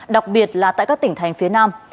đặc biệt là tại các tỉnh thành phía nam